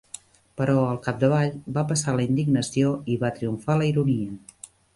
Però, al capdavall, va passar la indignació i va triomfar la ironia.